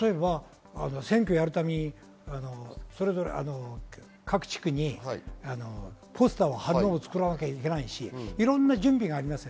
例えば選挙をやるために各地区にポスターを貼ったりしなければいけないし、いろんな準備があります。